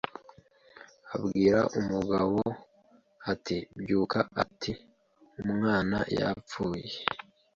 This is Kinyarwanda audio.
Abwira umugabo ati Byuka ati Umwana yapfuye